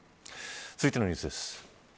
続いてのニュースです。